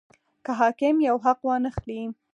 که حاکم یو حق وانه خلي.